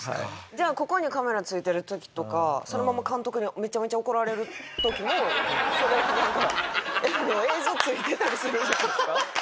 じゃあここにカメラついてる時とかそのまま監督にめちゃめちゃ怒られる時もなんか映像ついてたりするんですか？